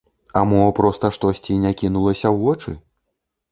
А мо, проста штосьці не кінулася ў вочы?